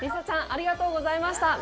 ありがとうございます。